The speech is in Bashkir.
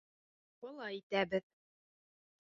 Былай итәбеҙ.